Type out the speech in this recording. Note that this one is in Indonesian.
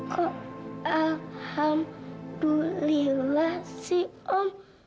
kok alhamdulillah sih om